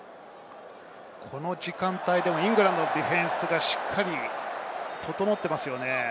この時間帯でもイングランドのディフェンスがしっかり整っていますよね。